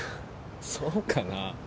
そうかな？